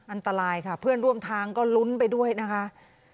อันตรายค่ะเพื่อนร่วมทางก็ลุ้นไปด้วยนะคะ